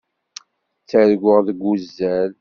Ttarguɣ deg uzal.